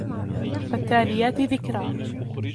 فَالتَّالِيَاتِ ذِكْرًا